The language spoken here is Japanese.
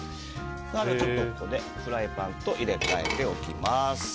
ここでフライパンと入れ替えておきます。